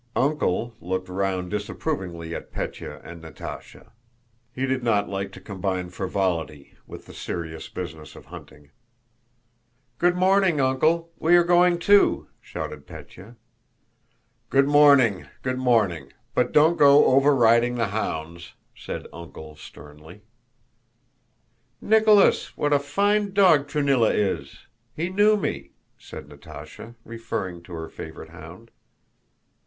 "Uncle" looked round disapprovingly at Pétya and Natásha. He did not like to combine frivolity with the serious business of hunting. "Good morning, Uncle! We are going too!" shouted Pétya. "Good morning, good morning! But don't go overriding the hounds," said "Uncle" sternly. "Nicholas, what a fine dog Truníla is! He knew me," said Natásha, referring to her favorite hound.